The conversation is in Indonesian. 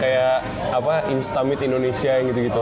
kayak apa instamid indonesia gitu gitu